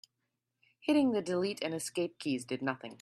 Hitting the delete and escape keys did nothing.